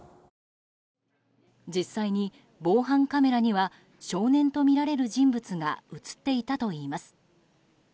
実際に防犯カメラには少年とみられる人物が映っていたといいます。